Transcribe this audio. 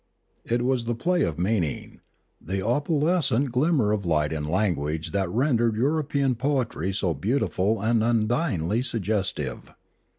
It was the play of meaning, the opalescent glimmer of light in lan guage that rendered European poetry so beautiful and undyingly suggestive.